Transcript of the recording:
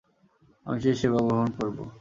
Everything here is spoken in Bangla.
আমি সেই সেবা গ্রহণ করব।